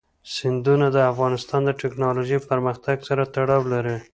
سیندونه د افغانستان د تکنالوژۍ پرمختګ سره تړاو لري.